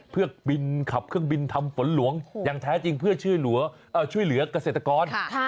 เพื่อบินขับเครื่องบินทำฝนหลวงอย่างแท้จริงเพื่อช่วยเหลือกเกษตรกร